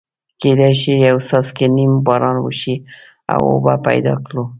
کېدای شي یو څاڅکی نیم باران وشي او اوبه پیدا کړو.